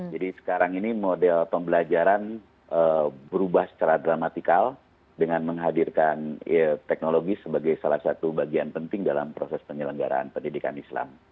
jadi sekarang ini model pembelajaran berubah secara dramatikal dengan menghadirkan teknologi sebagai salah satu bagian penting dalam proses penyelenggaraan pendidikan islam